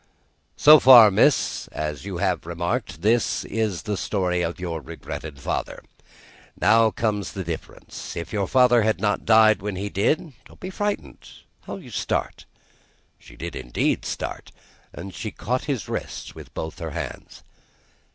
"So far, miss (as you have remarked), this is the story of your regretted father. Now comes the difference. If your father had not died when he did Don't be frightened! How you start!" She did, indeed, start. And she caught his wrist with both her hands.